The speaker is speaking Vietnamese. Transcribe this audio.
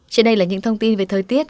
trên đây là những thông tin về thời tiết